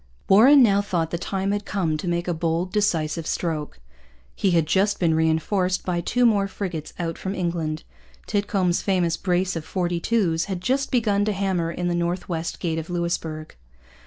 Warren now thought the time had come to make a bold, decisive stroke. He had just been reinforced by two more frigates out from England. Titcomb's famous brace of forty two's had just begun to hammer in the North West Gate of Louisbourg.